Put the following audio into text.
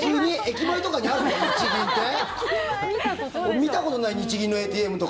見たことない日銀のＡＴＭとか。